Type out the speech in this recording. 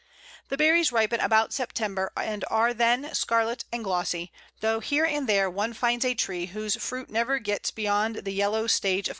The berries ripen about September, and are then scarlet and glossy, though here and there one finds a tree whose fruit never gets beyond the yellow stage of coloration.